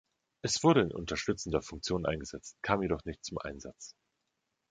Es wurde in unterstützender Funktion eingesetzt, kam jedoch nicht zum Einsatz.